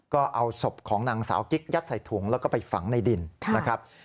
ก็เอาศพของนางสาวกิ๊กยัดใส่ถุงแล้วก็ไปฝังในดินนะครับ